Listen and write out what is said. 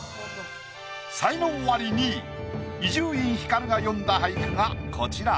才能アリ２位伊集院光が詠んだ俳句がこちら。